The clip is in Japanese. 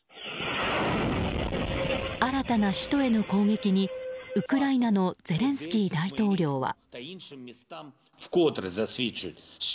新たな首都への攻撃にウクライナのゼレンスキー大統領は。